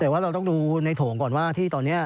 แต่ว่าเราต้องดูในโถงก่อนว่าที่ตอนนี้